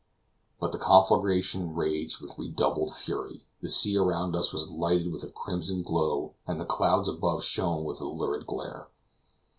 But the conflagration raged with redoubled fury, the sea around us was lighted with a crimson glow, and the clouds above shone with a lurid glare.